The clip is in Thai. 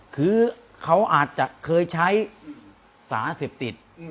คือเขาอาจจะเคยใช้สารเสพติด